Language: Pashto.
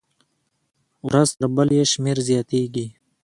ورځ تر بلې یې شمېر زیاتېږي.